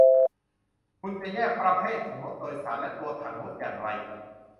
คุณจะแยกประเภทของรถโดยสารและตัวถังรถอย่างไร ?